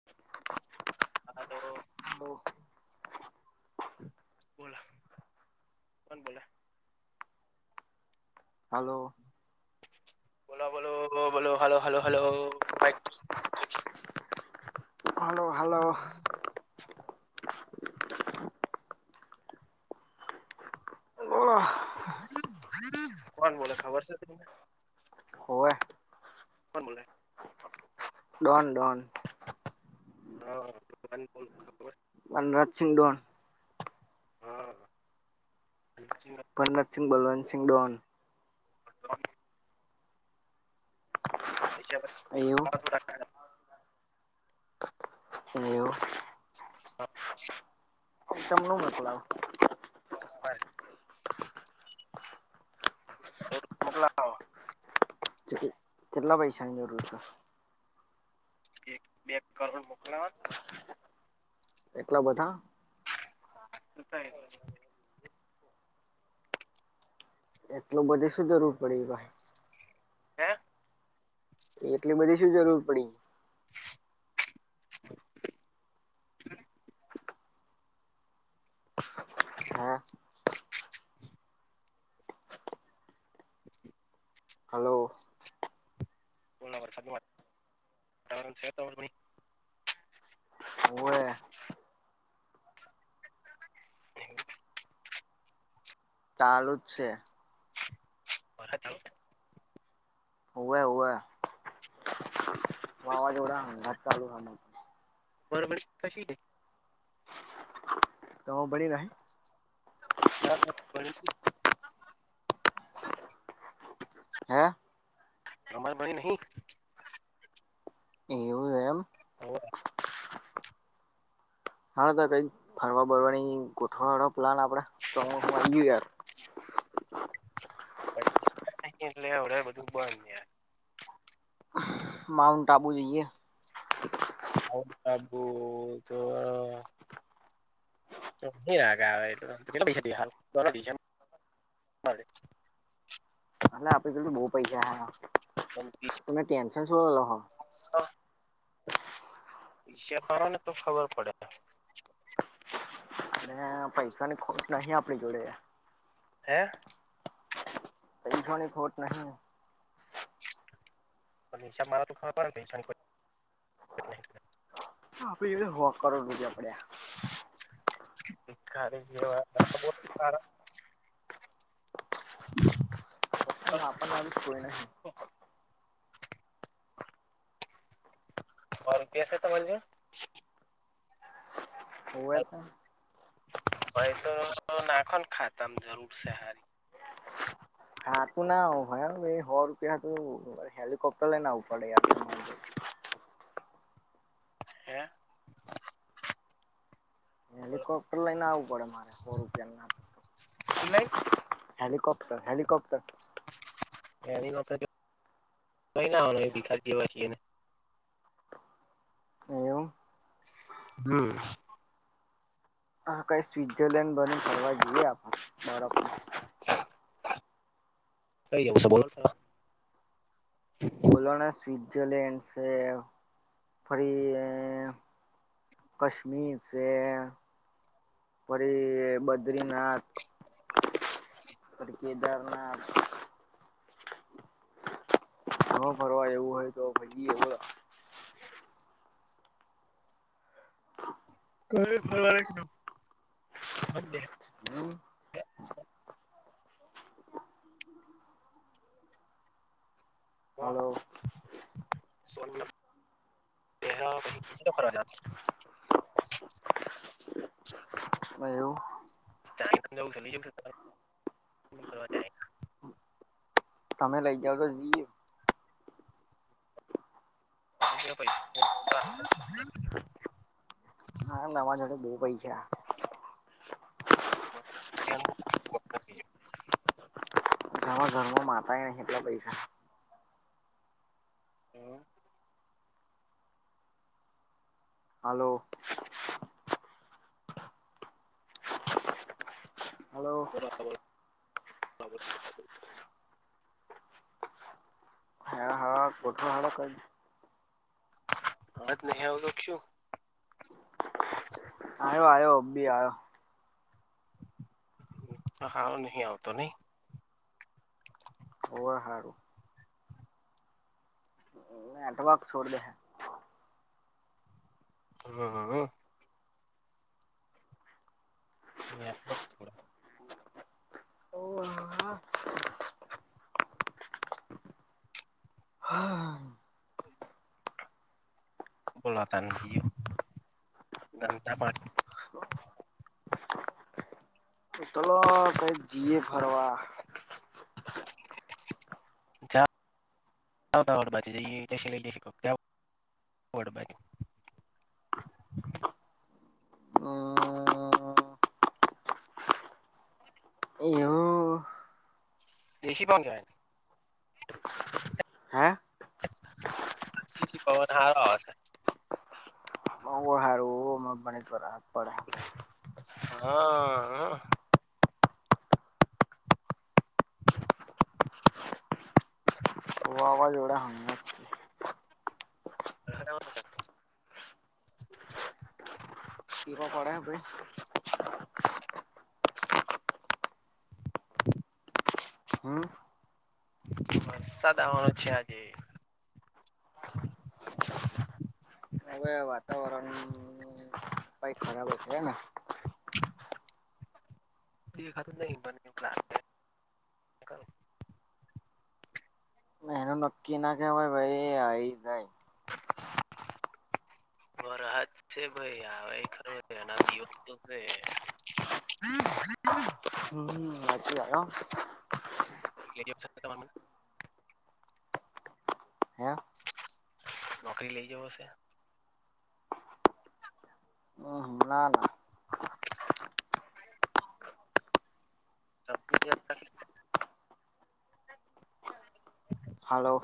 [inaudible] હા તો હલો બોલો કોણ બોલો હલો. બોલો બોલો બોલો hello hello hello [unintelligible] hello hello. બોલો કોણ બોલે ખબર છે તમને હોવે કોણ બોલે ડોન ડોન ડોન બોલે ખબર વનરાજ સિંહ ડોન હા [unintelligible] ભરનતસિહ બલવંતસિહ ડોન [inaudible] પૈસા અ એવું થોડા એવું હા અસમ નું મોકલાવ [unintelligible] [unintelligible] મોકલા [inaudible] કેટલા પૈસાની જરૂર છે એક બે કરોડ મોકલાઓ ન એટલા બધા હા ત્રણ એટલું બધુ શું જરૂર પડી ભાઈ હે એટલી બધી શું જરૂર પડી હે હલો [unintelligible] જરૂર છે તમાર કોઈ હોવે [inaudible] ચાલુ જ છે. વરહાદ ચાલુ છે હોવે હોવે વાવાઝોડા હંગાત ચાલુ હે [unintelligible] કશી હે તો બણી રહે ના [unintelligible] હે અમારે ભણી નહી એવું હે એમ હોવે લ્યા હા તો કઈક ફરવા બરવાની ગોઠવા વાળો પ્લાન આપડે ચોમાસુ આઈ ગયું યાર [unintelligible] એટલે બધું બંધ માઉન્ટ આબુ જઈએ માઉન્ટ આબુ તો [unintelligible] કેટલા પૈસા [unintelligible] અન આપડી જોડે તો બહુ પૈસા હે પણ વીસ તમે ટેન્શન શું કરવા લો હો [inaudible] હિસાબ પાડો ને તો ખબર પડે ભૈસાની ખો નાહી આપણી જોડેે. હે? કઈ થોની ખોટ નથી. હિસાબ મારા તો ખવા [unintelligible] આપડી એ હું કરોડ રૂપિયા પડ્યા. ખ જેવા ખ [unintelligible] આપ પણ મારી કોઈહી. હર કે સહત ભોલજ? [unintelligible] હોવે જોડે તો. ભાઈ તો નાખો ખાતામ જરૂર છે હારી. હાું ના ભાઈ એ હો રૂપિયા તો હેિકપ્ટરે ના પડે. યાર હે? હેલિકોપ્ટર લઈને આવવું પડે મારે હો રૂપિયા ના. હેલિકપ્ટર હેલિકોપ્ટર એનીડ કઈ ના ભીખા દવા છીએને [unintelligible] એવમ. હમ. હ કઈ સ્વટ્ઝરલેન્ડ બને કરવા જઈએ આપ. કઈ આવવુંસ બોલો છ [unintelligible] બોલોના સ્વઝલેન્ડ છે, ફરી કશ્મીર છે. પછી બદ્રીનાથ. પણ કેદારનાથ હા ફરવા એવું હોય તો ભાઈ એ [unintelligible] ત [unintelligible] હ [unintelligible] હલો સો પછી કરવા [unintelligible] એવું ચાયજ ચલી જ [unintelligible] તમે લઈ જાઓ તો જી પડી ગ પ [unintelligible] હા નવાઝોડે બહુ પૈ છે. કે [unintelligible] માં ઘર માં માતાય નહી એટલા પૈસા. હ. હાલો. હલો બ [unintelligible] ગઠ હાળ ક [unintelligible] હાજ નહ આવ તો શું? આવ્યો આવ્યો બી આવ્યો. હા નહી આવતો નહી. હવા હારું. હટ વક છોડ દ હે. હમ હ. મે [unintelligible] ઓ હા. બોલા તાન ભું, ધંધ પા ચલો કઈ જીએ ફરવા. જ જઈએ એ લ શ [unintelligible] બડબાઈ હમ એવું એસી પણ જાય હે એસી થી પવન હારો આવશે [unintelligible] હારુ મને જ વરસાદ પડહે હા હા વાવાજોડા હામે વરસાદ આવેને મુ જાગતો ટીપા પડે? હા ભઈ હમ્મ. વરસાદ આવાનો છે આજે. હવે વાતાવરણને બાઈક ખરાબ હ તો છે ને? દેખાતું જ નહી મને એવું લાગે એનું નક્કી ના કેહેવાય ભાઈ આઈ જાય. વરહાદ છે ભાઈ આવે ખરોને એના દિવસ તો છે [inaudible] હમ્મ હાચી વાત હો તો કે [unintelligible] આપશો તમાર મને હે નોકરી લઈ જવોશે. હમ્મ હમ્મ ના ના [unintelligible] કાલે હલો.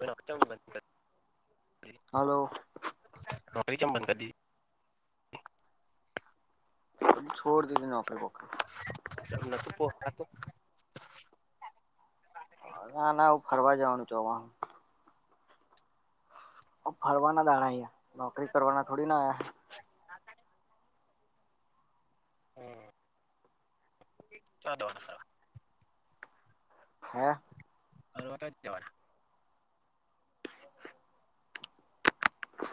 નોકરી ચમ બંધ કરો દીધી હાલો નોકરી ચમ બંધ કરી દીધી. છોડ દીધી નોકરી બોકરી કેમ નતું પોહાતું. ના ના હું ફરવા જવાનું ચોમાહામાં ફરવાના દાણા અહિયા નોકરી કરવાના થોડી ના આયા [inaudible] હમ્મ. ચો જવાના ફરવા હે ફરવા તો જવાના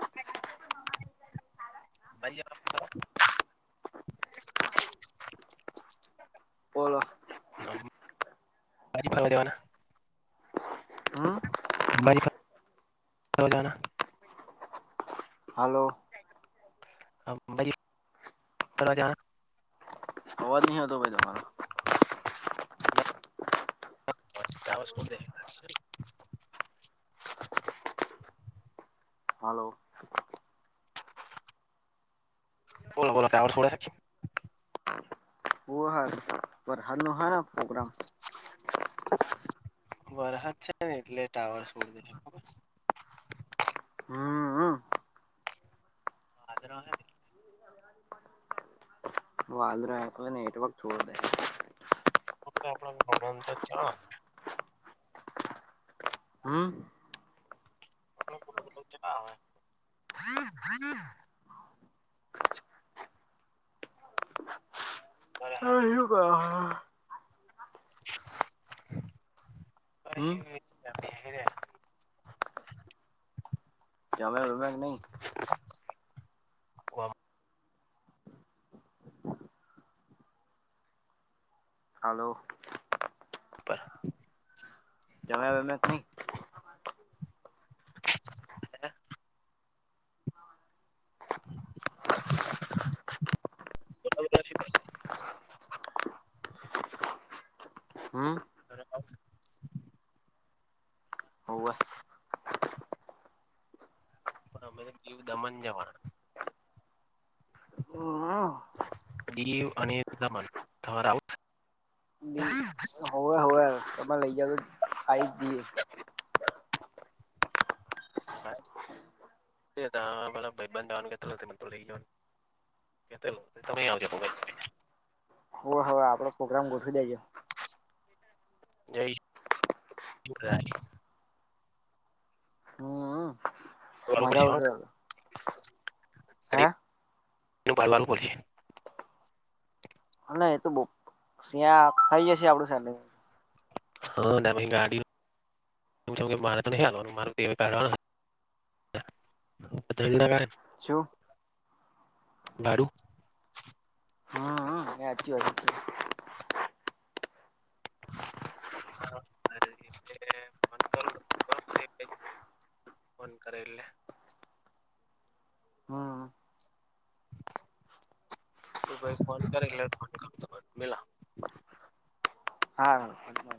નહી જવાના ફરવા? [inaudible] બાજરી બોલો ભરવા જવાના? હમ્મ અંબાજી ફરવા જવાના? હલો. અમેરિકા જવાના અવાજ નહી આવતો ભાઈ તમારો બસ ભાઈ ટાવર સોડી દે હે હલો. બોલો બોલો ટાવર છોડે હે? હું હ વરહાદનો હાનો હ પ્રોગ્રામ વરહાદ છે ને એટલે ટાવર સોડી દે તન ખબર ભાદરવા હે ને વાદરા એટલે નેટવર્ક છોડીદે [unintelligible] હમ્મ. એટલો બધો તો ત્યાં આવે. [unintelligible] [unintelligible] [unintelligible] જમે વમેક નહી ગામ હાલો પ જમ્યા વમ્યા કે ની? નાના [inaudible] હમ્મ તને ફાવશે હોવે [inaudible] પણ અમે દીવ દમન જવાના દીવ અને દમન તમારે આવું? મને લઈ જાજોન આવી જ જીએ. હા તું અન તારા બધા ભ‌ઈબંધ આવાનું કેતો તો લઈ ગ્યો ની. કેતો તો તમેય આવજો ભા‌ઈબંધને લ‌ઈન હુ હવે આપડો ફો ગ્રામ ગોઠવી દેજો. [unintelligible] હમ તો આવું મજા પડશે આવશે હે હા [unintelligible] હ ના એ તો બ સિયા થઈ જશે આપડું સાથે હા નવીગાડીન હું જ‌ઉને મારે તો નહીં આલવાનું મારે તો પૈહા કાડવાના. ના તમતમારે શું? ભાડુ હમ હમ એ હાચી વાત છે [inaudible] [inaudible] ફોન કરે એટલે હમ ગિરિશભાઈ ફોન કરે એટલે ફોન કરુ તમન મિલાવ. હા